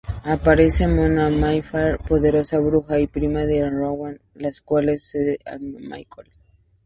Aparece Mona Mayfair, poderosa bruja y prima de Rowan, la cual seduce a Michael.